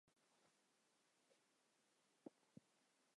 紫花螺序草为茜草科螺序草属下的一个种。